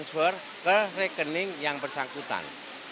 transfer ke rekening yang bersangkutan